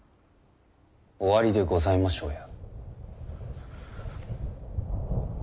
おありでございましょうや。